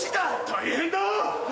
大変だ！